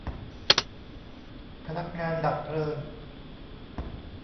พนักงานดับเพลิง